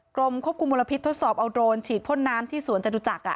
กรมควบคุมมลพิษทดสอบเอาโดรนฉีดพ่นน้ำที่สวนจตุจักร